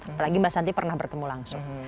apalagi mbak santi pernah bertemu langsung